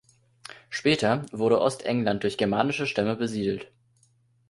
Später wurde Ostengland durch germanische Stämme besiedelt.